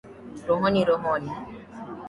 Rohoni Rohoni